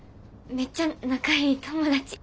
めっちゃ仲良い友達。